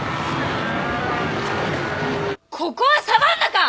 ここはサバンナか！